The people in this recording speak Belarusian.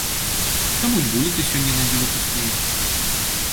Таму й вуліцы сёння надзіва пустыя.